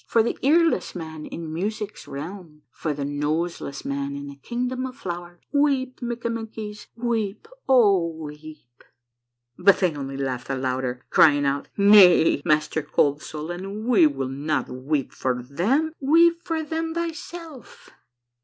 For the earless man in Music's realm. For the noseless man in the Kingdom of flowers, Weep, Mikkamenkies, weep, O weep !" But they only laughed the louder, crying out, —" Nay, Master Cold Soul, we will not weep for them ; weep for them tliyself."